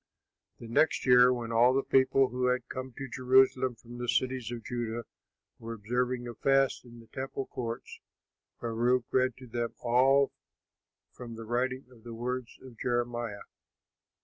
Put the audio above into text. The next year, when all the people who had come to Jerusalem from the cities of Judah were observing a fast in the temple courts, Baruch read to them all from the writing the words of Jeremiah.